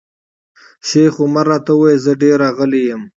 شیخ عمر راته وویل زه ډېر راغلی یم.